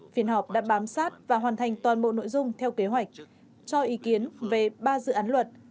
phiên họp đã bám sát và hoàn thành toàn bộ nội dung theo kế hoạch cho ý kiến về ba dự án luật